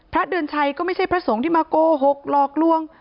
เดือนชัยก็ไม่ใช่พระสงฆ์ที่มาโกหกหลอกลวง